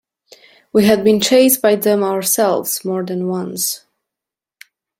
We had been chased by them ourselves, more than once.